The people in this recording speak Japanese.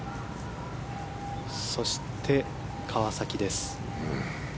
そして、川崎です。